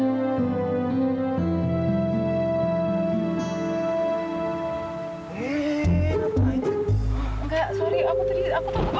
enggak sorry aku tadi aku takut banget sama petir